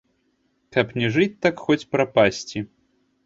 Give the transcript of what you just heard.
Каб не жыць так, хоць прапасці.